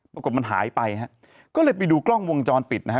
ปรากฏมันหายไปฮะก็เลยไปดูกล้องวงจรปิดนะฮะ